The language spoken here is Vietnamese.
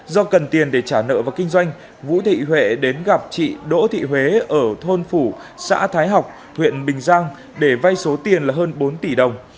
do cần tiền để trả nợ và kinh doanh vũ thị huệ đến gặp chị đỗ thị huế ở thôn phủ xã thái học huyện bình giang để vay số tiền là hơn bốn tỷ đồng